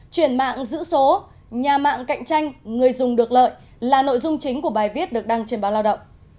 chuyển mạng giữ số nhà mạng cạnh tranh người dùng được lợi là nội dung chính của bài viết được đăng trên báo lao động